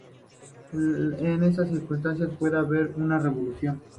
En esas circunstancias, puede haber una revolución.